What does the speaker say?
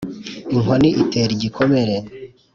Inkoni itera igikomere,